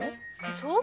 そう？